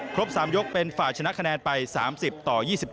ครบ๓ยกเป็นฝ่ายชนะคะแนนไป๓๐ต่อ๒๗